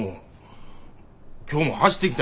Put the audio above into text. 今日も走ってきたんや。